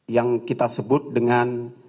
yang kita sebut dengan